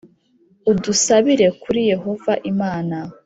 udusabira kuri Yehova Imana